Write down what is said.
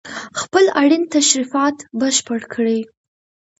خپل اړين تشريفات بشپړ کړي